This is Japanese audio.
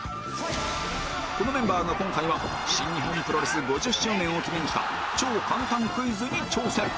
このメンバーが今回は新日本プロレス５０周年を記念した超簡単クイズに挑戦